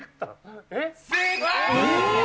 正解！